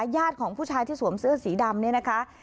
ญาติของผู้ชายที่สวมเสื้อสีดำ